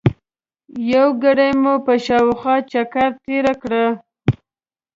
یوه ګړۍ مو په شاوخوا چکر تېره کړه.